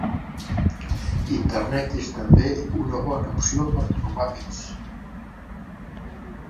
Internet és també una bona opció per trobar pis.